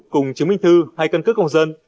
cùng chứng minh thư hay cân cước công dân